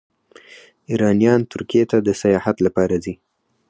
ایرانیان ترکیې ته د سیاحت لپاره ځي.